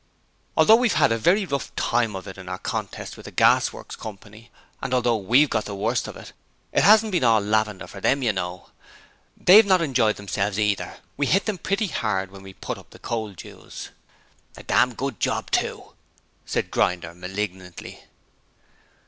'Although we've had a very rough time of it in our contest with the Gasworks Company, and although we've got the worst of it, it hasn't been all lavender for them, you know. They've not enjoyed themselves either: we hit them pretty hard when we put up the coal dues.' 'A damn good job too,' said Grinder malignantly.